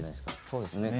そうですね。